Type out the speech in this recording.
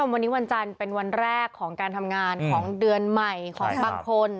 วันนี้วันจันทร์เป็นวันแรกของการทำงานของเดือนใหม่ของบางคน